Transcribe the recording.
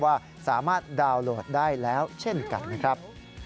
ว่าสามารถดาวน์โหลดได้แล้วเช่นกันนะครับ